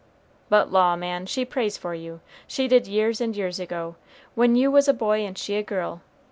"But law, man, she prays for you; she did years and years ago, when you was a boy and she a girl.